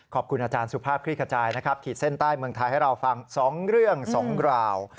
ขอบคุณอาจารย์สุภาพคลิกขจายนะครับขีดเส้นใต้เมืองไทยให้เราฟัง๒เรื่อง๒ราว